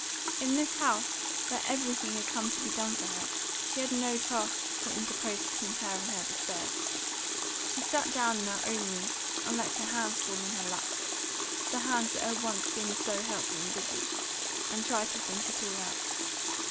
In this house, where everything had come to be done for her, she had no tasks to interpose between her and her despair. She sat down in her own room and let her hands fall in her lap, the hands that had once been so helpful and busy, and tried to think it all out.